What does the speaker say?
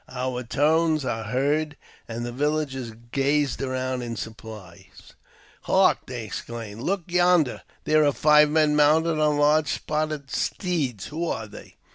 Our tones are heard, and the villagers gaze around in surprise. " Hark !" they exclaimed :" look yonder ! there are five men mounted on large spotted steeds. Who are they